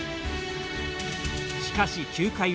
しかし９回裏。